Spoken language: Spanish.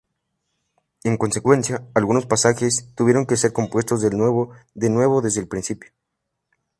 En consecuencia, algunos pasajes tuvieron que ser compuestos de nuevo desde el principio.